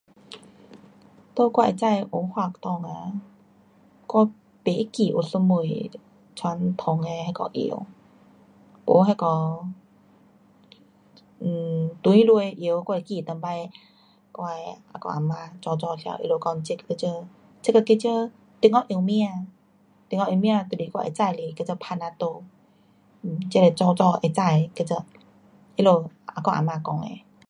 在我会知的文化内啊，我没会记有什么传统的那个药，没那个 um 传下的药，我会记上次我的阿公啊嫲早早时头他们讲这种，这个叫做中国药饼。中国药饼就是我会知是叫做 panadol, um 这是我早早会知的叫做，他们阿公阿嫲讲的。